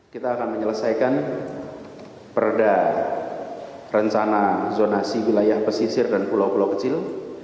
kita akan menyelesaikan perda rencana zonasi wilayah pesisir dan pulau pulau kecil